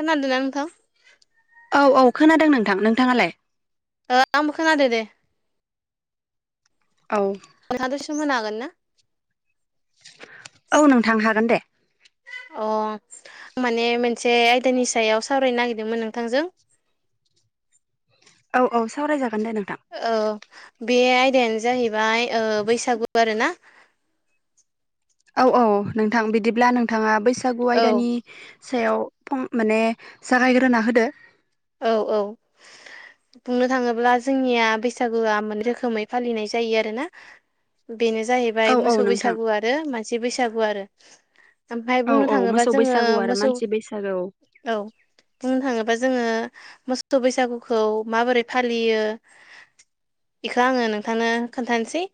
खोनादों ना नोंथां औ औ खोनादों नोंथां नोंथाङालाय ओ आंबो खोनादों दे औ [unintelligible] हागोनना औ नोंथां हागोन दे अ माने मोनसे आयदानि सायाव सावरायनो नागिरदोंमोन नोंथांजों औ-औ सावरायजागोन दे नोंथां औ बे आयदायानो जाहैबाय ओ बैसागु आरोना औ-औ नोंथां बिदिब्ला नोंथाङा बैसागु औ आयदानि सायाव फं माने जागायग्रोना होदो औ-औ बुंनो थाङोब्ला जोंनिया बैसागुआ मोननै रोखोमै फालिनाय जायो आरो ना बेनो औ जाहैबाय औ मोसौ नोंथां बैसागु आरो मानसि बैसागु आरो ओमफ्राय औ बुंनो औ थाङोबा मोसौ जोङो बैसागु आरो मोसौ मानसि बैसागु औ बुंनो थाङोबा जोङो मोसौ बैसागुखौ माबोरै फालियो इखौ आङो नोंथांनो खोन्थानोसै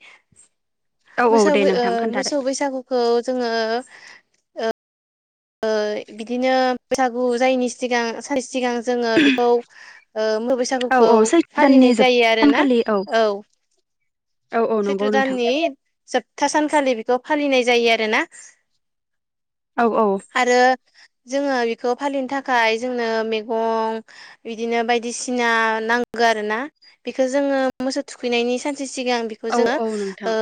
औ मोसौ दे ओ नोंथां खोन्थादो मोसौ बैसागुखौ जोङो ओ बिदिनो बैसागु जायैनि सिगां सानसे सिगां जोङो बेखौ ओ मो औ बैसागुखौ औ सैथो दाननि फालिनाय जोब जायो आरोना औ औ-औ सैथ्र' नंगौ नोंथां दाननि जोबथा सानखालि बेखौ फालिनाय जायो आरोना औ-औ आरो जोङो बेखौ फालिनो थाखाय जोंनो मैगं बिदिनो बायदिसिना नांगौ आरोना बेखौ जोङो मोसौ थुखैनायनि सानसे सिगां बेखौ औ जोङो औ नोंथां ओ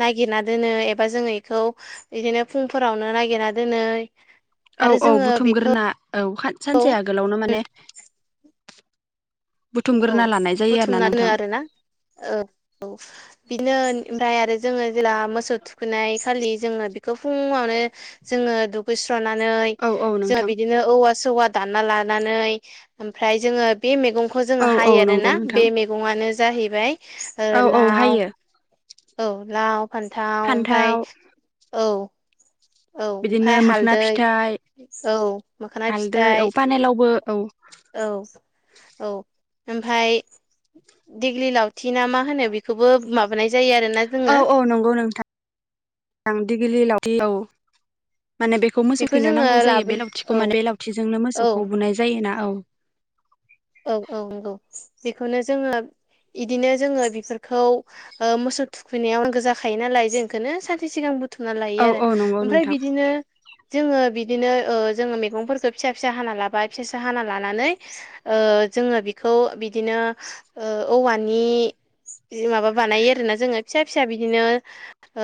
नागिरना दोनो एबा जोङो बेखौ बिदिनो फुंफोरावनो नागिरना दोनो आरो औ-औ जोङो बेखौ बुथुमग्रोना औ सानसे आगोलावनो माने औ बुथुमग्रोना लानाय जायो आरोना बुथुमना दोनो नोंथां आरोना ओ-औ बिदिनो ओमफ्राय आरो जोङो जेला मोसौ थुखैनाय खालि जोङो बेखौ फुङावनो जोङो दुगैस्रनानै औ औ जोङो नोंथां बिदिनो औवा‌ सौवा दानना लानानै ओमफ्राय जोङो बे मैगं खौ जोङो औ औ हायो नंगौ आरोना बे नोंथां मैगङानो जाहैबाय औ औ लाव हायो औ लाव फान्थाव ओमफ्राय औ औ बिदिनो ओमफाय मोखना हालदै फिथाइ औ मोखोना हालदै औ पानेलावबो औ औ-औ ओमफाय दिग्लि लावथि ना मा होनो बेखौबो माबानाय जायो आरो औ-औ नंगौ नोंथां दिगलि लावथि औ माने बे खौ मोसौ बेखौ खैनायाव जोङो नांगौ जायो लाबो बे लावथिखौ औ माने बे लावथिजोंनो औ मोसौखौ बुनाय जायोना औ औ औ नंगौ बेखौनो जोङो इदिनो जोङो बेफोरखौ मोसौ थुखैनायाव नांगो जाखायो नालाय जों इखोनो सानसे सिगां बु बुथुमना लायो औ आरो औ नंगौ ओमफ्राय नोंथां बिदिनो जोङो बिदिनो जोङो मैगंफोरखो फिसा फिसा हाना लाबाय फिसा फिसा हाना लानानै ओ जोङो बिखौ बिदिनो औवानि माबा बानायो आरोना जोङो फिसा फिसा बिदिनो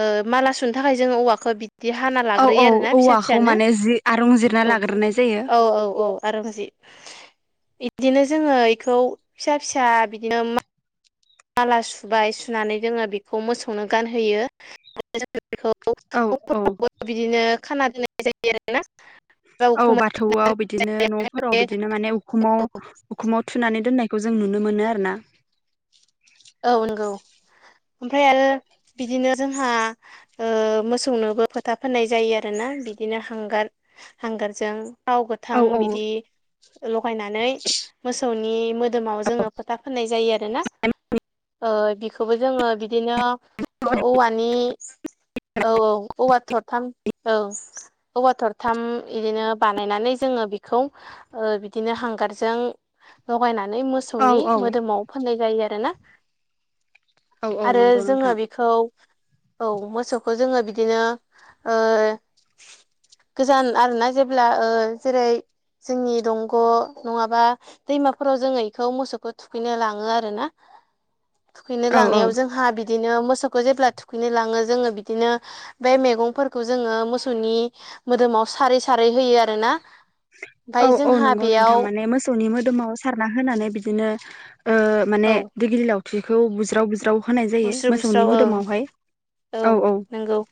ओ माला सुनो थाखाय जोङो औवाखौ बिदि हाना औ औ लाग्रोयो आरोना फिसा औवाखौ फिसानो माने जि आरं जिरना औ लाग्रोनाय जायो औ औ औ आरो बिदि बिदिनो जोङो इखौ फिसा फिसा बिदिनो माला सुबाय सुनानै जोङो बेखौ मोसौनो गानहोयो आरो बेखौ औ औ [unintelligible] बिदिनो खाना दोननाय जायो आरोना सोरबा औ उखुमाय बाथौआव बिदिनो न'फोराव बिदिनो माने उखुमाव उखुमाव थुनानै दोननायखौ जों नुनो मोनो आरोना औ नंगौ ओमफ्राय आरो बिदिनो जोंहा ओ मोसौनोबो फोथा फोननाय जायो आरोना बिदिनो हांगार हांगारजों थाव औ गोथां औ बिदि लगायनानै मोसौनि मोदोमाव जोङो फोथा फोननाय जायो आरोना बिखौबो जोङो बिदिनो औवानि औ औ औवा थरथाम औ औवा थरथाम बिदिनो बानायनानै जोङो बेखौ बिदिनो हांगारजों लगायनानै मो मोसौनि औ औ मोदोमाव फोननाय जायो आरोना औ औ आरो नंगौ जोङो नोंथां बेखौ औ मोसौखो जोङो बिदिनो गोजान आरोना जेब्ला जेरै जोंनि दंग' नङाबा दैमाफोराव जोङो इखौ मोसौखौ थुखैनो लाङो आरोना थुखैनो औ औ लांनायाव जोंहा बिदिनो मोसौखौ जेब्ला थुखैनो लाङो जोङो बिदिनो बे मैगंफोरखौ जोङो मोसौनि मोदोमाव सारै सारै होयो आरोना ओमफ्राय जोंहा बेयाव नि मोदोमाव सारना होनानै बिदिनो माने औ दैग्लिलावथिखौ बुज्राव बुज्राव होनाय जायो बुस्रो मोसौनि बुस्राव ओं मोदोमावहाय औ नंगौ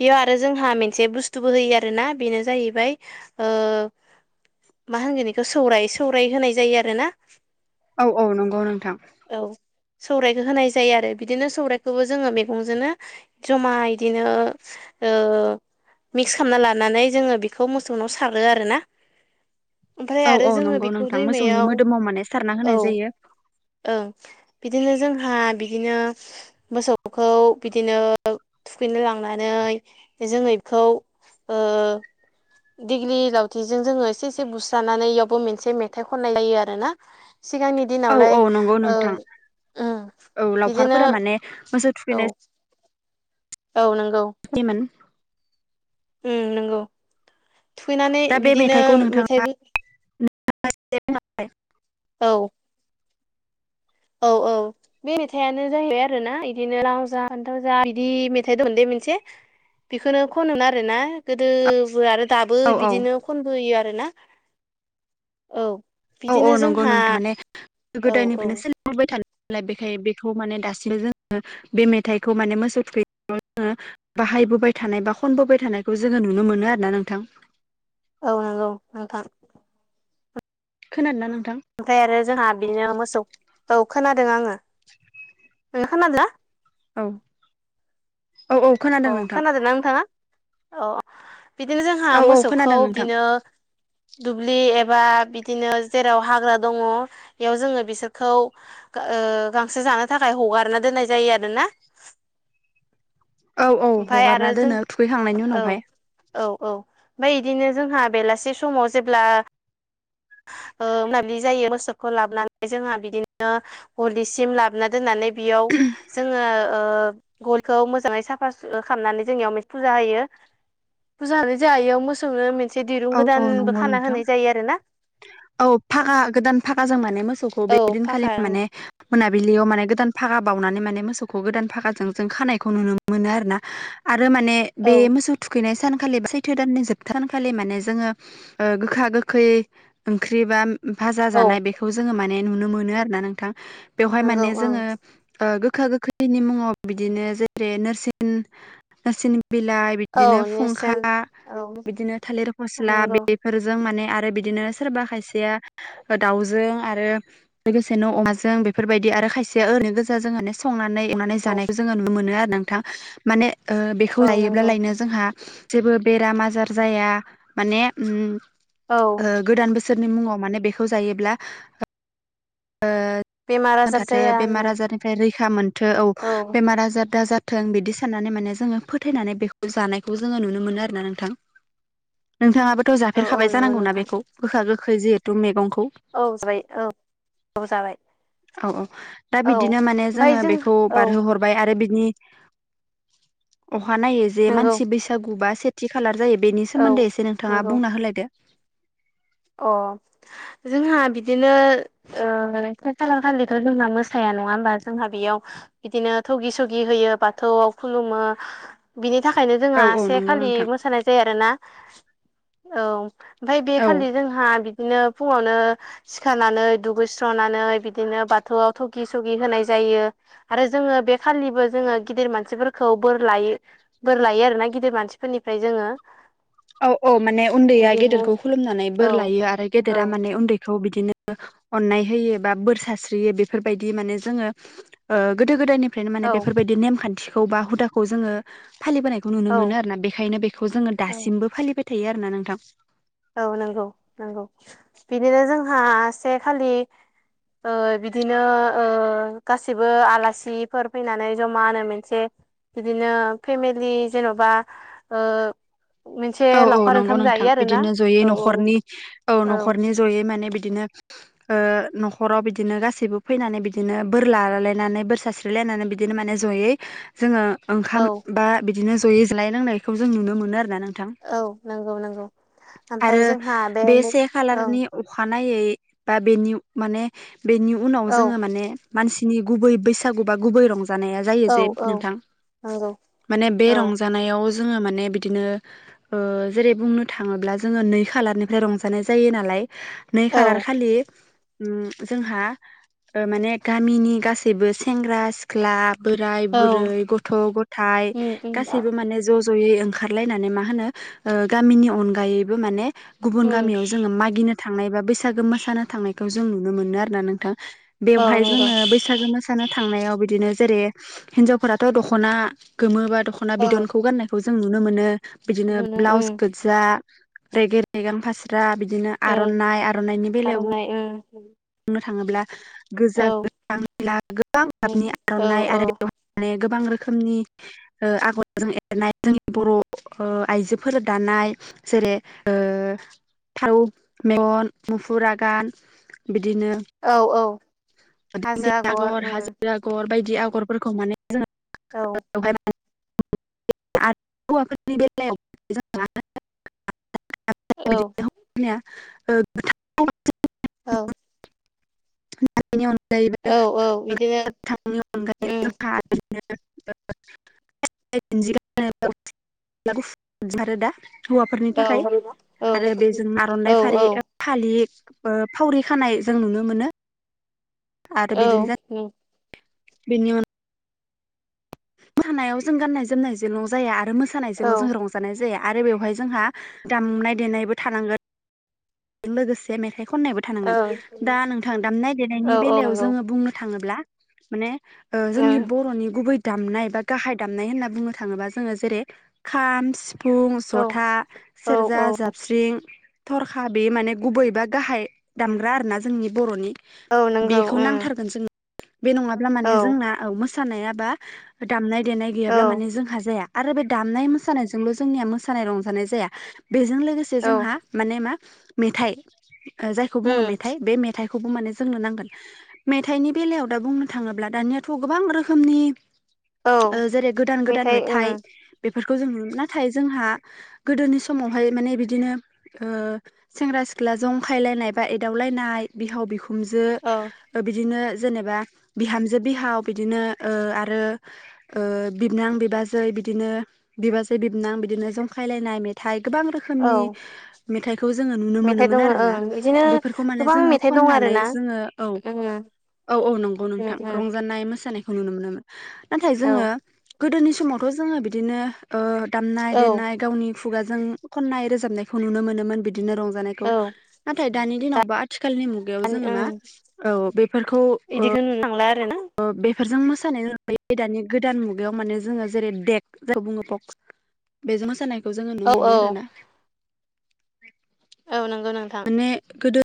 बेयाव आरो जोंहा मोनसे बुस्थुबो होयो आरोना बेनो जाहैबाय मा होनगोन बेखौ सौराय सौराय होनाय जायो आरोना औ औ नंगौ नोंथां औ सौराइखौ होनाय जायो आरो बिदिनो सौरायखौबो जोङो मैगंजोंनो जमा इदिनो ओ मिक्स खालामना लानानै जोङो बेखौ मोसौनाव सारो आरो ना ओमफ्राय औ आरो औ जोङो नंगौ बेखौ नोंथां मोसौनि दैमायाव मोदोमाव माने सारना औ होनाय जायो ओं बिदिनो जोंहा बिदिनो मोसौखौ बिदिनो थुखैनो लांनानै जोङो बेखौ दिगलि लावथिजों जोङो एसे एसे बुस्रानानै इयावबो मोनसे मेथाइ खननाय जायो आरोना सिगांनि औ औ दिनावलाय नंगौ नोंथां उम औ बिदिनो लावखारफोरा माने मोसौ औ थुखैनाय औ नंगौ दिमोन उ नंगौ थुखैनानै दा बे बिदिनो मेथाइखौ नोंथाङा मेथाइबो औ औ औ बे मेथाइआनो जाहैबाय आरो ना बिदिनो राव जा फान्थाव जा बिदि मेथाइ दं दे मोनसे बेखौनो खनोन आरो ना गोदोबो आरो। दाबो औ औ बिदिनो खनबोयो आरोना औ। औ औ बिदिनो नंगौ नों जोंहा थारमाने औ गोदायनिफ्रायनो सो बाय थ थानाय नालाय बेखायनो बेखौ माने दासिमबो जोङो बे मेथाइखौ माने मोसौ थुयो। बाहायबोबाय थानाय बा खनबोबाय थानायखौ जोङो नुनो मोनो आरो ना नोंथां। औ नंगौ नोंथां। खोनादों नोंथां। ओमफ्राय आरो जोंहा बिनो मोसौखौ खोनादों आङो नोो खोनादोंला। औ औ औ अ खोनादों नोंथां। खोनादोंना नोंथाङा औ बिदिनो जोंहा औ औ मोसौखौ खोनादों नोंथां बिदिनो। दुब्लि एबा बिदिनो जेराव हाग्रा दङ बेयाव जोङो बिसोरखौ। गांसो जानो थाखाय हगारना दोननाय जायो आरो ना औ औ ओमफफ्राय आरो हगारना जों दोनो थुखैखांनायनि औ। उनावहाय औ औ ओमफ्राय बिदिनो जोंहा बेलासे समाव जेब्ला। मोनाबिलि जायो मोसौखौ लाबोनानै जोंहा बिदिनो हलिसिम लाबोना दोननानै। बेयाव जोङो गयखौ मोजाङै साफा स खालामनानै जोंनियावे फुजा होयो। फुजा होनाय जयाव मोसौनो मोनसे दिरुं औ औ गोदानबो नंगौ खाना नोंथां होनाय जायो आरो ना। औ फाखा गोदान फाखाजों माने मोसौखौ बे औ दिनखालि फाखा माने। मोनाबिलियाव माने गोदान भागा बावनानै माने मोसौखौ गोदान फागाजों जों खानायखौ नुनो मोनो। मोनो आरो ना आरो माने। बे ओं मोसौ थुखैनाय सानखालि बा सैथो दाननि जोबथा सानखालि माने जोङो गोखा गोखै। ओंख्रि बा भाजा औ जानाय बेखौ जोङो माने नुनो मोनो आरो ना नोंथां। बेवहाय नंगौ माने ओं जोङो गोखा गोखैनि मुङाव बिदिनो जेरै नसि नोरसिन बिलाइ बि औ बि फा नेरसोन मि औ नंगौ बि बिदिनो सोरबा खायसेया दाउजों आरो लोगोसेनो' अमाजों बेफोरबायदि आरो खायसेया ओै गोजा जों। संनानै एवनानै औ जानायखौ जोङो नुनो मोनो आरो नोंथांा माने बेखौ औ लायोब्ला नंगौ लायनो। जोंहा जेबो बेराम आजार जाया माने औ। ओ गोदान बोसोरनि मुङाव माने बेखौ जायोब्ला बेमार आजार थाथों जाया बेमार होनो आजारनिफ्राय रैखा मोनथो औ बेमार आजार दा ज थों बिदि साननानै माने जोङो फोथायनानै बेखौ जानायखौ जोङो नुनो मोनो आरोना नोंथां। नोंथाङाबोथ' औ औ जाफेरखाबाय नंगौ जानांगौनाा नोंथां बेखौ गोखा गोखै जिहेथु मैगंखौ। औ जाबाय औ औ जाबाय। औ औ दा औ बिदिनो माने जोङो ओमफाय जों बेखौ औ बारहोहर बि अ नाय नंगौ मानसि बसाग थि खालार जायो बेनि औ सोमोन्दै एसे नोंथाङा नंगौ बुंना होलायदो अ जोंहा बिदिनो। खा खाला खालिथ' जोंहा मोसाया नङा होमबा जोंहा बेयाव। बिदिनो थौगि सगि होयो बाथौआव खुलुमो। बिनि थाखायनो औ जोंहा औ एसे नंगौ खालि नोंथां मोसानाय जायो आरोोना औ ओमफ्राय बे औ खालि जोंहा बिदिनो फुङावनो। सिखारनानै दुगैस्र'नानै बिदिनो बाथौआव थगि सगि होनाय जायो। आरो जोङो बे खालिबो जोङो गिदिर मानसिफोरखौ बोर लायो। बोर लायो आरो ना गिदिर मानसिफोरनिफ्राय जोङो। औ औ माने उन्दैया बिदिनो गेदेरखौ खुलुमनानै बोर औ लायो आरो गेदेरा औ माने उन्दैखौ बिदिनो। अननाय होयो बा बोर सस्रियो बेफोरबायदि माने जोङो गोदो गोदायनिफ्राय। ओमफ्रायनो माने औ बेफोरबायदि नेमखान्थिखौ बा हुदाखौ जोङो फालिबोनाय। बेखौ नुनो औ मोनो आरोोना बेखायनो बेखौ जोङो औ दासिमबो फालिबाय थायो आरो ना नोंथां। औ नंगौ नंगौ बिदिनो जोंहा से खालि ओ बिदिनो ओ गासिबो आलासिफोर फैनानै जमा होनो मोनसे बिदिनो फेमिलि जेन'बा ओ मोनसे औ औ लावखार नंगौ ओंखाम नोंथां जायो आरो ना। बिदिनो ज'यै न'खरनि औ न'खरनि जयै माने बिदिनो ओ न'खराव बिदिनो गासैबो फैनानै बिदिनो बोर लालायनानै बोर सास्रि ना बिदिनो माने जयै जोङो ओंखाम औ बा बिदिनो जयै ज्लाय नांनायखौ जों नुनो मोनो आरोना नोंथां। औ नंगौ नंगौ आरो ओमफ्राय जोंहा बे से ओं खालारनि अखानायै बा बेनि माने बेनि उनाव औ जोङो माने मानसिनि गुबै बैसागु बा गुबै रंजानाया जायो औ जे औ नोंथां नंगौ माने बे औ रंजा जानायाव जोङो माने बिदिनो जेरै बुंनो थाङोब्ला जोङो जोङो नै खालारनिफ्राय रंजानाय जायो नालाय नै औ खालार खालि जोंहा माने गामिनि गासैबो सेंग्रा सिख्ला बोराय औ बुरै गथ' गथायाइ उम उम गासिबो माने ज' ज'यै ओंखारलायनानै मा होनो ओ गामिनि अनगायैबो माने गुबुन उम गामियाव जोंङो मागिनो थांनाय बा बैसागो मोसानो थांनाय जों नुनो मोना नोंथां औ बेह जों नंगौ बैसाग मोसा गोमोसानो थांनायाव बिदिनो जेरै हिनजावफोराथ' दख'ना गोमो बा दखना दखना औ बिदनखौ गाननाय जों नुनो मोनो बिदिनो ब्लाउस गो्जा मैगाम फास्रा बिदिनो आर'नाइ आर'नाइनि बेलायाव बुं आरो बुंनो थाङोब्ला गोजा गोज गोबां औ गाबनि आर'नाइ आरो औ बे माने गोबां रोखोमनि ओ आगर जोंनि एरनाय जोंनि बर' ओ आइजोफोर दानाय जेरै ओ थारौ मेगन मुफुर आगान बिदिनो औ औ दिं आगर हाजो आगर बायदि आगरफोरखौ माने औ जोंहाय [unintelligible] [unintelligible] औ [unintelligible] [unintelligible] औ औ बिदिनो औ गुफारो दा हौवाफोरनि औ थाखाय औ आरो बेजों औ आर'नाइ फारि फालि ओ फावरि खानाय जों नुनो मोनो। आरो बिदिनो बिनि अन मोसानायाव जों गाननाय जोमनायजों नं जाया आरो मोसानायजोंबो जों रंजा बेहाय जों दामनाय देनायबो थानांगोन। बेजों लोगोसे मेथाइ खननायबो थानांगोन दा नोंथां दामनाय औ देनायनि बेलायाव औ जोंङो बुंनो थांङोब्ला माने ओ जोंनि बर'नि गुबै दामनाय बा गाहाय दामनाय होनना बुंनो थाङोबा जोंङो जेरै खाम सिफुं फुं जथा सेरजा जाबस्रिं थरखा बे माने गुबै बा गाहाय दामग्रा आरोना जोंनि बर'नि औ नंगौ बेखौ औ नांथारगोन जों बे नंङाब्ला औ माने जोंना औ मोसानाय बा दामनाय देनाय गैयाब्ला औ माने जोंहा जाया। आरो बे दामनाय मोसानायजोंल' जोंनिया मोसानाय रंजानाय जाया बेजों लोगोसे औ नंगौ जोंहा माने मा मेथाइ जायखौ औ बुंङो मेथाइ बे मेथाइखौबो माने जोंनो नांगोन मेथाइनि बेलायाव दा बुंनो थांङोब्ला दानियाथ' गोबां रोखोमनि औ जेरै गोदान गोदान मेथाइ बेफोरखौ जों नु नाथाय जोंहा गोदोनि समावहाय माने बिदिनो ओ सेंग्रा सिख्ला जंखायलायनाय बा एदावलायनाय बिहाव बिखुनजो ओ बिदिनो जेनेबा बिहामजो बिहाव बिदिनो ओ आरो ओ बिबोनां बिबाजै बिदिनो बिबाजै बिबोनां बिदिनो जंखायलायनाय मेथाइ गोबां रोखोमनि औ मेथाइ खौ जोङो नुनो मेथाइ मोनोन दङ आरोना ओं बिदिनो बेफोरखौ माने गोबां जोङो मेथाइ दं खनानै आरोना जोङो औ औ औ नंगौ नोंथां रंजानाय मोसानायखौ नुनो मोनोमोन नाथाय जोङो औ गोदोनि समावथ' जोङो बिदिनो ओ दामनाय औ देनाय गावनि खुगाजों खननाय रोजाबनायखौ नुनो मोनोमोन बिदिनो रं जानायखौ औ नाथाय दानि दिनाव बा आथिलनि मुगायाव जोङो मा औ बेफोरखौ बिदिखो नुनो थांला आरो ना ओ बेफोरजों मोसानाय [unintelligible] दानि गोदान मुगायाव माने जोङो जेरै डेक [unintelligible] बुंङो बक्स बेजों मोसानायखौ जोङो औ नुनो मोनो आरोना औ नंगौ नोंथा ने गोदो